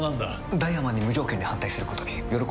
ダイワマンに無条件に反対することに喜びを感じるようです。